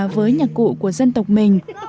với nhạc cụ của dân tộc mình